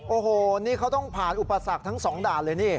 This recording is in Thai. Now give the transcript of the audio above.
โอ้โหนี่เขาต้องผ่านอุปสรรคทั้งสองด่านเลยนี่